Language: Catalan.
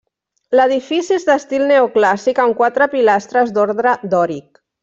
L'edifici és d'estil neoclàssic amb quatre pilastres d'ordre dòric.